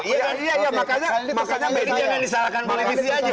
makanya media tidak disalahkan oleh misi saja